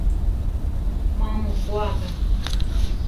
Má mu koáka?